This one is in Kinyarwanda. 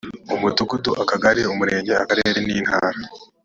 umudugudu akagari umurenge akarere n’intara